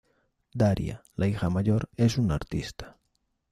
Daria, la hija mayor, es una artista.